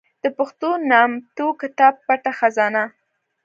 د پښتو نامتو کتاب پټه خزانه